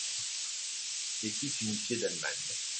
Équipe unifiée d'Allemagne.